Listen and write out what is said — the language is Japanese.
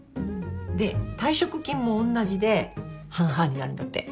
で退職金もおんなじで半々になるんだって。